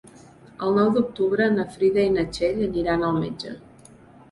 El nou d'octubre na Frida i na Txell aniran al metge.